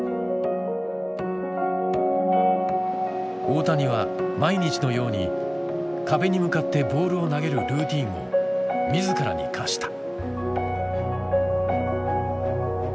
大谷は毎日のように壁に向かってボールを投げるルーティーンを自らに課した。